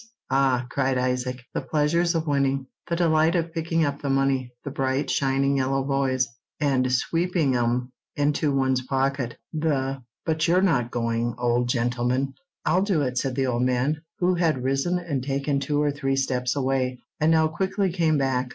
"Ah," cried Isaac; "the pleasures of winning! The delight of picking up the money—the bright, shining yellow boys—and sweeping 'em into one's pocket! The—but you're not going, old gentleman?" "I'll do it," said the old man, who had risen and taken two or three steps away, and now quickly came back.